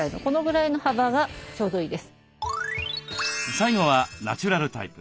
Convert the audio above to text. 最後はナチュラルタイプ。